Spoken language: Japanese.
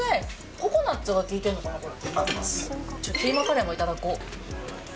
ココナッツが効いてるのかな、これ。